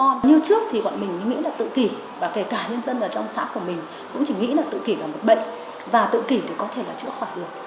nhưng trước thì bọn mình nghĩ là tự kỷ và kể cả nhân dân ở trong xã của mình cũng chỉ nghĩ là tự kỷ là một bệnh và tự kỷ thì có thể là chữa khỏi được